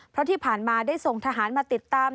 เพราะที่ผ่านมาได้ส่งทหารมาติดตาม